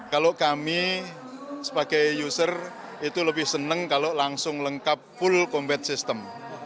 kalau kami sebagai user itu lebih senang kalau langsung lengkap full combat system